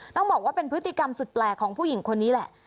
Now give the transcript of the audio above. ต้องบอกว่าเป็นพฤติกรรมสุดแปลกของผู้หญิงคนนี้แหละ